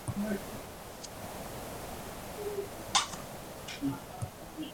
At that time, treaty negotiations between Spain and the United States were in progress.